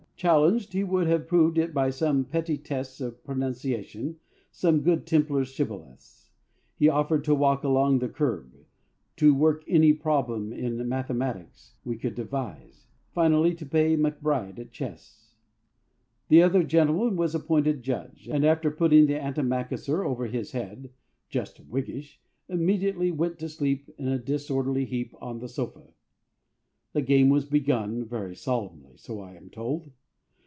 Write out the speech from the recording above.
Challenged, he would have proved it by some petty tests of pronunciation, some Good Templar's shibboleths. He offered to walk along the kerb, to work any problem in mathematics we could devise, finally to play MacBryde at chess. The other gentleman was appointed judge, and after putting the antimacassar over his head ("jush wigsh") immediately went to sleep in a disorderly heap on the sofa. The game was begun very solemnly, so I am told.